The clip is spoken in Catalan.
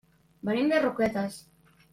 Venim de Roquetes.